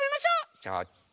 ちょっと。